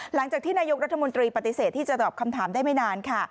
หลังจากที่นายกรัฐมนตรีปฏิเสธที่จะตอบคำถามได้ไม่นานค่ะ